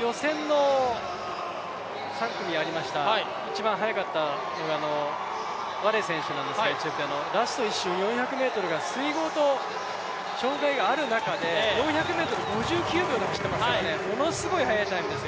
予選の３組ありました、一番速かった選手はワレ選手なんですけどエチオピアの、ラスト４００ｍ水濠と障害を持つ中で、４００ｍ５９秒で通っていますからものすごい速いタイムですよ。